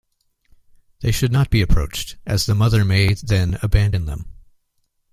They should not be approached, as the mother may then abandon them.